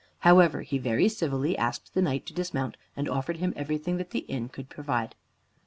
However, he very civilly asked the Knight to dismount and offered him everything that the inn could provide.